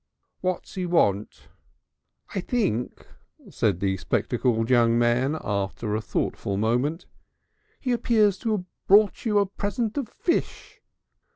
"What's he want?" "I think," said the spectacled young man after a thoughtful moment, "he appears to have brought you a present of fish."